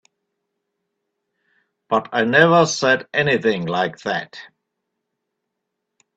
But I never said anything like that.